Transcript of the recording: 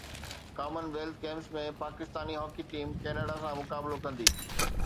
ڪمن wealth Games ۾ Pakistani hockey team Canada سان مقابلو ڪندي